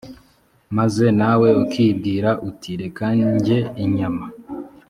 maze nawe ukibwira uti «reka ndye inyama»